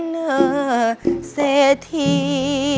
เศรษฐี